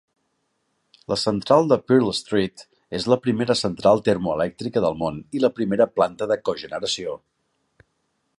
La central de Pearl Street és la primera central termoelèctrica del món i la primera planta de cogeneració.